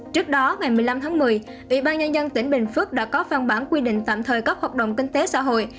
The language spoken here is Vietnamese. trước đó ngày một mươi năm tháng một mươi ủy ban nhân dân tỉnh bình phước đã có phân bản quy định tạm thời các hoạt động kinh tế xã hội